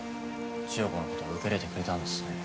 千代子のこと受け入れてくれたんですね。